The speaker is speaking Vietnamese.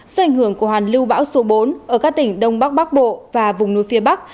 do ảnh hưởng của hoàn lưu bão số bốn ở các tỉnh đông bắc bắc bộ và vùng núi phía bắc